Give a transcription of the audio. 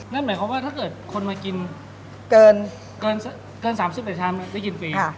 นั่นหมายความว่าถ้าเกิน๓๘ชามได้กินฟรี